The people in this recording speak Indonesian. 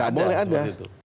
tidak boleh ada